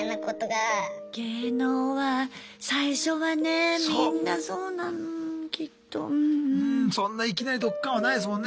芸能は最初はねみんなそうなのきっとうんうん。そんないきなりドッカーンはないですもんね。